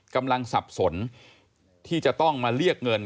สับสนที่จะต้องมาเรียกเงิน